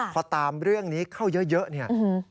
พอตามเรื่องนี้เข้าเยอะเนี่ย